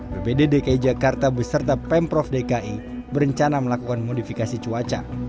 bpd dki jakarta beserta pemprov dki berencana melakukan modifikasi cuaca